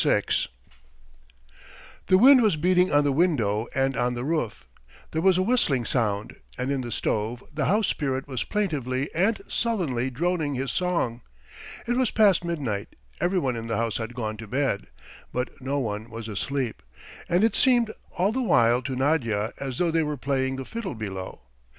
IV The wind was beating on the window and on the roof; there was a whistling sound, and in the stove the house spirit was plaintively and sullenly droning his song. It was past midnight; everyone in the house had gone to bed, but no one was asleep, and it seemed all the while to Nadya as though they were playing the fiddle below.